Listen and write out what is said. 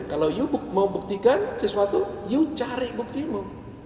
kalau kamu mau membuktikan sesuatu kamu cari buktimu